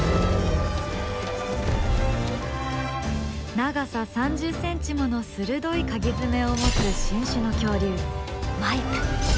長さ３０ｃｍもの鋭いカギ爪を持つ新種の恐竜マイプ。